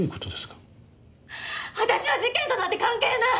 私は事件となんて関係ない！